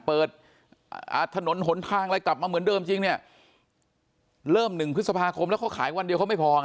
เปิดถนนหนทางอะไรกลับมาเหมือนเดิมจริงเนี่ยเริ่ม๑พฤษภาคมแล้วเขาขายวันเดียวเขาไม่พอไง